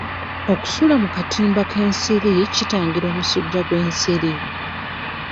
Okusula mu katimba k'ensiri kitangira omusujja gw'ensiri.